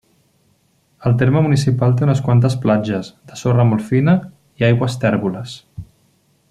El terme municipal té unes quantes platges, de sorra molt fina i aigües tèrboles.